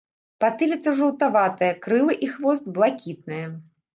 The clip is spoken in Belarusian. Патыліца жаўтаватая, крылы і хвост блакітныя.